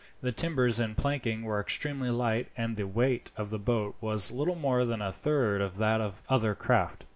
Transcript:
The timbers and planking were extremely light, and the weight of the boat was little more than a third of that of other craft.